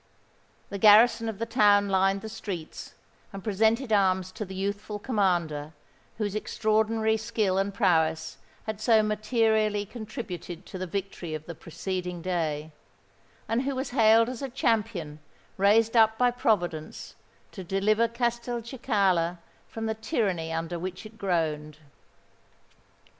The garrison of the town lined the streets, and presented arms to the youthful commander whose extraordinary skill and prowess had so materially contributed to the victory of the preceding day, and who was hailed as a champion raised up by Providence to deliver Castelcicala from the tyranny under which it groaned.